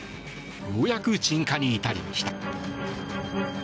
ようやく鎮火に至りました。